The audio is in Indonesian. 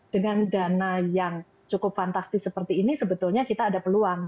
dengan dana yang cukup fantastis seperti ini sebetulnya kita ada peluang